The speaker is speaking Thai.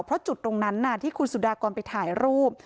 เพราะจุดตรงนั้นที่คุณสุดากรไปถ่ายรูป